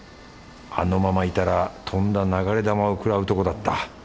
あのままいたらとんだ流れ弾をくらうとこだった。